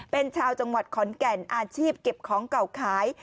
เป็นชาวจังหวัดขอนแก่นอาชีพเก็บของเก่าขาย